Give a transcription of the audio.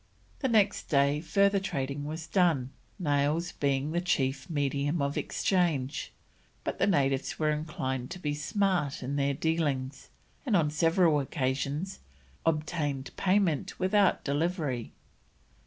The next day further trading was done, nails being the chief medium of exchange, but the natives were inclined to be smart in their dealings, and on several occasions obtained payment without delivery.